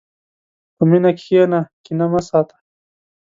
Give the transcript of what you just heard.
په مینه کښېنه، کینه مه ساته.